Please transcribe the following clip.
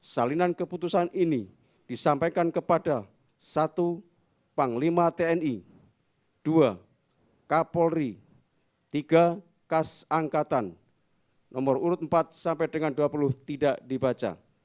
salinan keputusan ini disampaikan kepada satu panglima tni dua kapolri tiga kas angkatan nomor urut empat sampai dengan dua puluh tidak dibaca